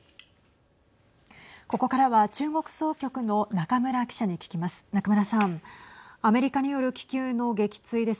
ここからは中国総局の中村記者に聞きます。